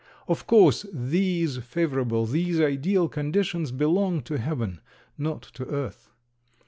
Of course these favorable, these ideal conditions belong to heaven, not to earth.